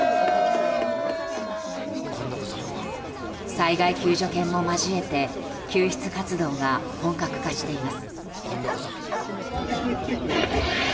災害救助犬も交えて救出活動が本格化しています。